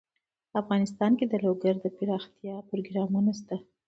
افغانستان کې د لوگر لپاره دپرمختیا پروګرامونه شته.